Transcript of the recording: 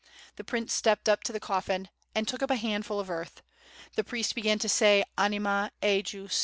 The prince stepped up to the coffin and took up a handful of earth; the priest began to say "Anima ejus ..."